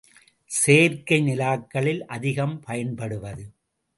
செயற்கை நிலாக்களில் அதிகம் பயன்படுவது.